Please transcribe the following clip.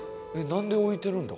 なんで置いてるんだ？